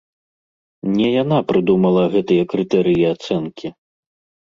Не яна прыдумала гэтыя крытэрыі ацэнкі.